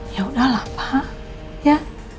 ya udah lah pak ya